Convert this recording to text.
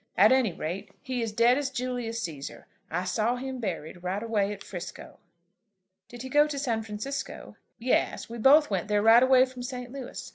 At any rate he is dead as Julius Cæsar. I saw him buried, right away at 'Frisco." "Did he go to San Francisco?" "Yes, we both went there right away from St. Louis.